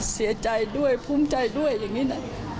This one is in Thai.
เสียใจด้วยภูมิใจด้วยอย่างนี้นะ